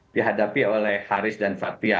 dihadapi oleh haris dan fathia